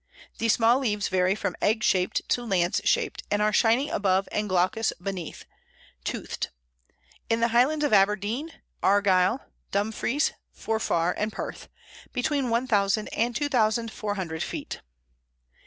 The small leaves vary from egg shaped to lance shaped, and are shining above and glaucous beneath; toothed. In the Highlands of Aberdeen, Argyll, Dumfries, Forfar, and Perth, between 1000 and 2400 feet.